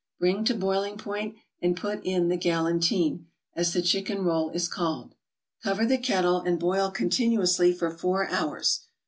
Bring to boiling point, and put in the "galantine," as the chicken roll is called. Cover the kettle, and boil continuously for four hours.